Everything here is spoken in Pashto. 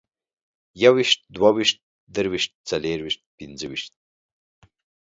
يويشت، دوه ويشت، درويشت، څلرويشت، پينځويشت